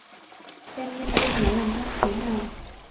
Xem nhân viên nó làm ăn thế nào